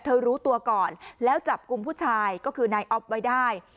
รู้ตัวก่อนแล้วจับกลุ่มผู้ชายก็คือนายอ๊อฟไว้ได้